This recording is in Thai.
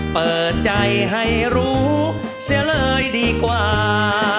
เปิดใจให้รู้เสียเลยดีกว่า